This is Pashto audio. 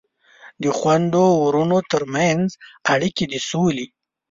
د خویندو ورونو ترمنځ اړیکې د سولې